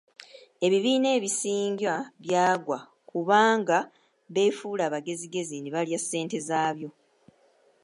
Ebibiina ebisinga byagwa kubanga beefuula abagezigezi ne balya ssente zaabyo.